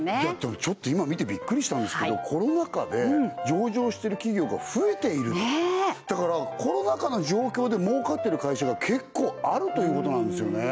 俺ちょっと今見てビックリしたんですけどコロナ禍で上場してる企業が増えているだからコロナ禍の状況で儲かってる会社が結構あるということなんですよね